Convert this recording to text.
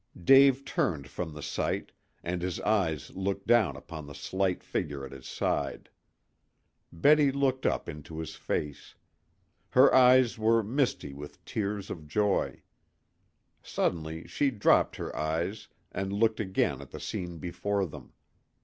Dave turned from the sight, and his eyes looked down upon the slight figure at his side. Betty looked up into his face. Her eyes were misty with tears of joy. Suddenly she dropped her eyes and looked again at the scene before them.